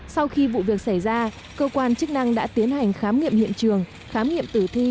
sau khi vụ việc xảy ra cơ quan chức năng đã tiến hành khám nghiệm hiện trường khám nghiệm tử thi